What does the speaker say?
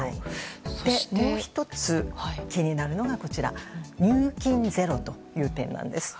もう１つ気になるのが入金ゼロという点です。